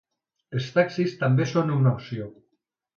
Els taxis també són una opció.